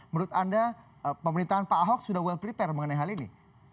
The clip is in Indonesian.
menurut anda pemerintahan pak ahok sudah well prepare mengenai hal ini